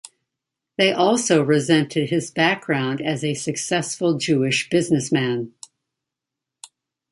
They also resented his background as a successful Jewish businessman.